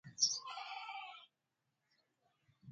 لونگي مرچ ري ڦسل تي ڇه موهيݩآݩ مهنت ڪئيٚ وهي ديٚ